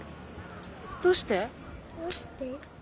どうして？